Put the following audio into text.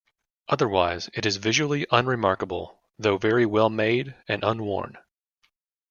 Otherwise it is visually unremarkable, though very well made and unworn.